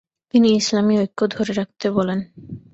তিনি ইসলামি ঐক্য ধরে রাখতে বলেন।